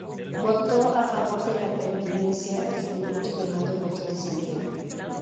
Votó a favor de la pervivencia del tributo llamado Voto de Santiago.